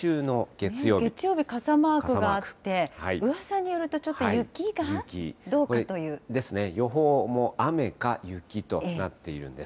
月曜日、傘マークがあって、うわさによると、ですね、予報も雨か雪となっているんです。